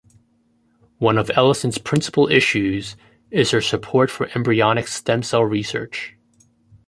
One of Ellison's principal issues is her support for embryonic stem cell research.